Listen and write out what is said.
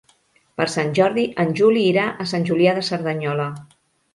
Per Sant Jordi en Juli irà a Sant Julià de Cerdanyola.